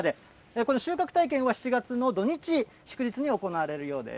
この収穫体験は７月の土日祝日に行われるようです。